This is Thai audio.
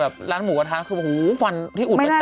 แบบร้านหมูประท้าคือแบบฝันที่อุดมันแตก